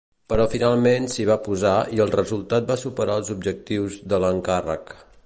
Però finalment s'hi va posar i el resultat va superar els objectius de l'encàrrec.